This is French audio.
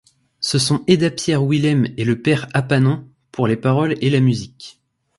Ce sont Eda-Pierre Wilhem et le père Apanon pour les paroles et la musique.